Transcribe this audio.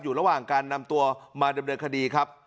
อยู่ระหว่างการนำตัวมาดำเนินคดีครับ